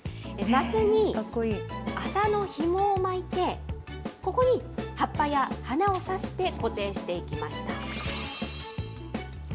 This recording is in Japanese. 升に麻のひもを巻いて、ここに葉っぱや花を差して固定していきました。